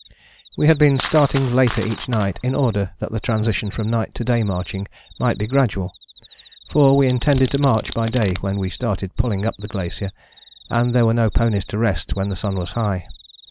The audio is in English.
We had been starting later each night, in order that the transition from night to day marching might be gradual. For we intended to march by day when we started pulling up the glacier, and there were no ponies to rest when the sun was high.